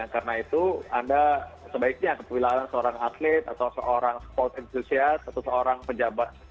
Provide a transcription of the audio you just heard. karena itu anda sebaiknya apabila anda seorang atlet atau seorang sport enthusiast atau seorang pejabat pekerjaan